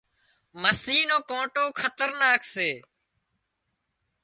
مسِي نو ڪانٽو خطرناڪ سي